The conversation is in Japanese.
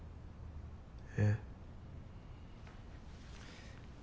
えっ？